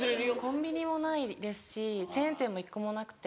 コンビニもないですしチェーン店も１個もなくて。